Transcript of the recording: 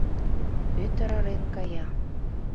— Пӧтыр ырен кая.